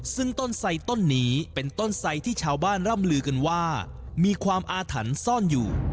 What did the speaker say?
ซึ่งต้นไสต้นนี้เป็นต้นไสที่ชาวบ้านร่ำลือกันว่ามีความอาถรรพ์ซ่อนอยู่